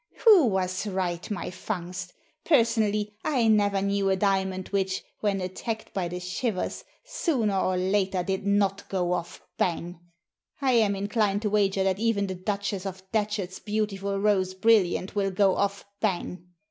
Who was right, my Fungst? Personally, I never knew a diamond which, when attacked by the shivers, sooner or later did not go off bang. I am inclined to wager that even the Duchess of Datchet's beautiful rose brilliant will go off bang."